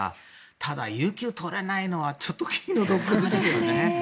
ただ、有休取れないのはちょっと気の毒ですよね。